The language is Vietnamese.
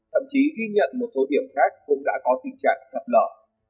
thậm chí ghi nhận một số điểm khác cũng đã có tình trạng sạt lở